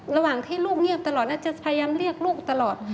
ระหว่างที่ลูกเงียบตลอดน่าจะพยายามเรียกลูกตลอด